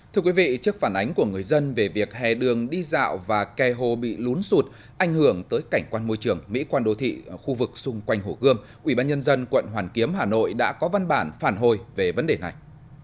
thưa quý vị trước phản ánh của người dân về việc hè đường đi dạo và kè hồ bị lún sụt ảnh hưởng tới cảnh quan môi trường mỹ quan đô thị khu vực xung quanh hồ gươm ubnd quận hoàn kiếm hà nội đã có văn bản phản hồi về vấn đề này